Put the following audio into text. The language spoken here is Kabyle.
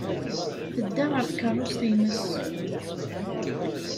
Tedda ɣer tkeṛṛust-nnes.